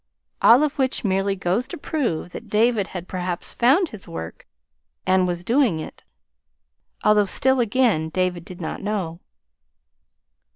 All of which merely goes to prove that David had perhaps found his work and was doing it although yet still again David did not know.